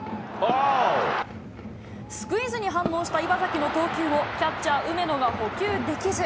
スクイズに反応した岩崎の投球をキャッチャー、梅野が捕球できず。